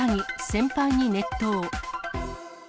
先輩に熱湯。